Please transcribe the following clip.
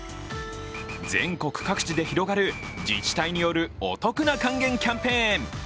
全国各地で広がる自治体によるお得な還元キャンペーン。